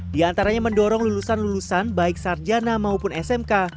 di antaranya mendorong lulusan lulusan baik sarjana maupun smk